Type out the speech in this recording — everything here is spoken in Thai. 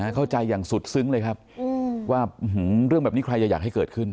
เข้าใจอย่างสุดซึ้งเลยครับว่าเรื่องแบบนี้ใครจะอยากให้เกิดขึ้น